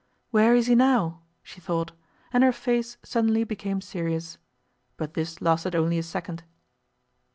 Where is he now?" she thought, and her face suddenly became serious. But this lasted only a second.